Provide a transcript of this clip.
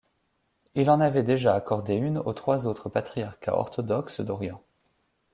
Il en avait déjà accordé une aux trois autres patriarcats orthodoxes d'Orient.